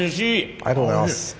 ありがとうございます。